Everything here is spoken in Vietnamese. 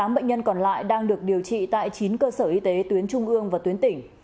tám bệnh nhân còn lại đang được điều trị tại chín cơ sở y tế tuyến trung ương và tuyến tỉnh